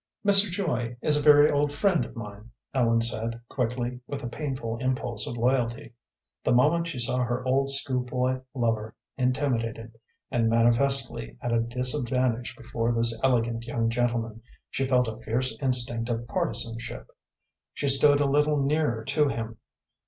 "Mr. Joy is a very old friend of mine," Ellen said, quickly, with a painful impulse of loyalty. The moment she saw her old school boy lover intimidated, and manifestly at a disadvantage before this elegant young gentleman, she felt a fierce instinct of partisanship. She stood a little nearer to him.